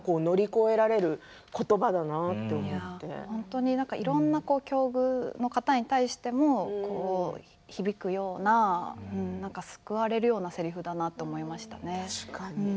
何があってもいろいろな境遇の方に対しても響くような救われるようなせりふだなと思いましたね。